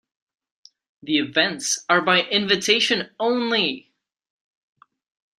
The events are by invitation only.